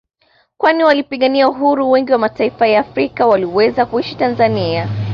Kwani wapigania uhuru wengi wa mataifa ya Afrika waliweza kuishi Tanzania